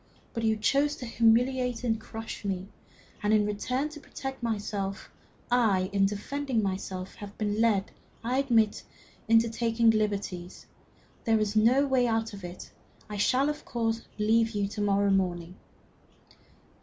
But you chose to humiliate and crush me; and in return, to protect myself, I, in defending myself, have been led, I admit it, into taking liberties. There is no way out of it. I shall, of course, leave you to morrow morning."